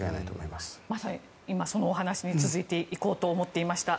まさに今そのお話に続いて行こうと思っていました。